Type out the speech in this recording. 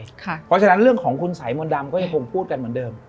เพราะฉะนั้นเรื่องของคุณสายมนต์ดำก็ยังคงพูดกันเหมือนเดิม